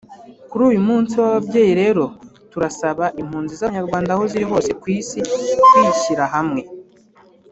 Kuri uyu munsi w’ababyeyi rero turasaba impunzi z’abanyarwanda aho ziri hose ku isi kwishyira hamwe